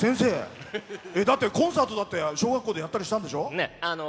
コンサートだって小学校でやったりしたんでしょ。